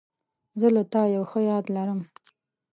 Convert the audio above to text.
زه له تا یو ښه یاد لرم.